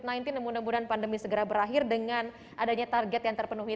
dan mudah mudahan pandemi segera berakhir dengan adanya target yang terpenuhi